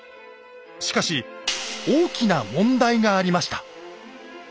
しかし大きな問題がありました。